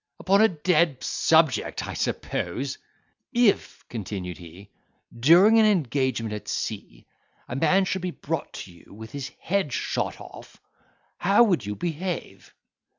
upon a dead subject, I suppose?" "If," continued he, "during an engagement at sea, a man should be brought to you with his head shot off, how would you behave?"